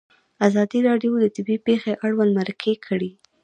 ازادي راډیو د طبیعي پېښې اړوند مرکې کړي.